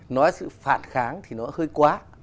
nói sự phản kháng thì nó hơi quá